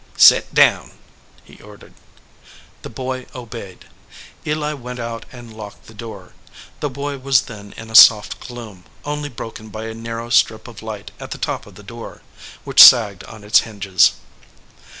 "Set down!" he ordered. The boy obeyed. Eli went out and locked the door. The boy was then in a soft gloom, only broken by a narrow strip of light at the top of the door, which sagged on its hinges.